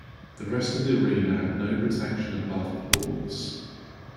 The rest of the arena had no protection above the boards.